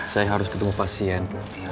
saya harus ketemu pasien